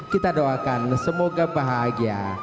kita doakan semoga bahagia